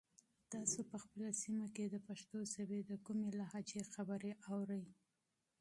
تاسو په خپله سیمه کې د پښتو ژبې د کومې لهجې خبرې اورئ؟